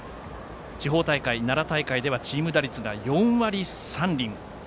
地方大会、奈良大会ではチーム打率が４割３厘。